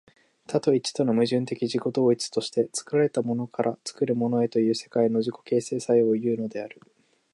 多と一との矛盾的自己同一として、作られたものから作るものへという世界の自己形成作用をいうのである。